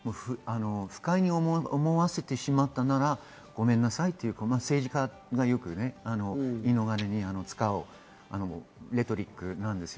不快に思わせてしまったなら、ごめんなさいという政治家がよく言う、言い逃れに使うレトリックです。